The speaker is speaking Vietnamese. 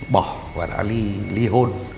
bỏ và đã ly hôn